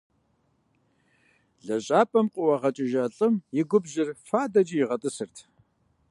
Лэжьапӏэм къыӏуагъэкӏыжа лӀым и губжьыр фадэкӀэ игъэтӀысырт.